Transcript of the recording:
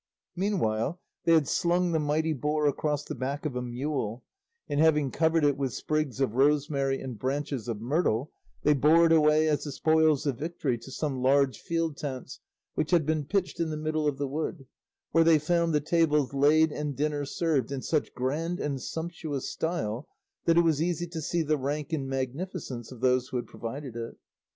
Meanwhile they had slung the mighty boar across the back of a mule, and having covered it with sprigs of rosemary and branches of myrtle, they bore it away as the spoils of victory to some large field tents which had been pitched in the middle of the wood, where they found the tables laid and dinner served, in such grand and sumptuous style that it was easy to see the rank and magnificence of those who had provided it.